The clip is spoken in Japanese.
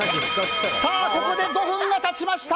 ここで５分が経ちました。